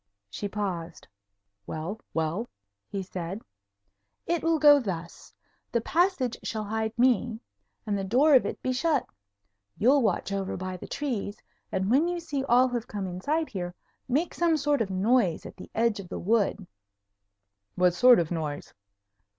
She paused. "Well? Well?" he said. "It will go thus: the passage shall hide me, and the door of it be shut. You'll watch over by the trees, and when you see all have come inside here, make some sort of noise at the edge of the wood." "What sort of noise?"